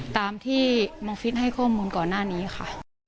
ตามที่บังฟิศให้ข้อมูลก่อนหน้านี้ค่ะ